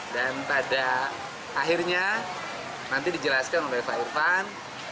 dan pada akhirnya nanti dijelaskan oleh pak irfan